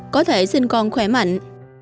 có thể sinh con khỏe mạnh